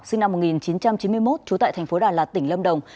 sinh năm một nghìn chín trăm chín mươi một trú tại thành phố đà lạt tỉnh lâm đồng